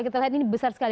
kita lihat ini besar sekali